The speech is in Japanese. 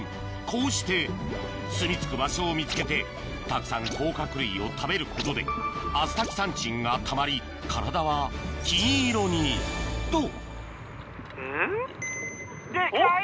こうしてすみ着く場所を見つけてたくさん甲殻類を食べることでアスタキサンチンがたまり体は金色にと！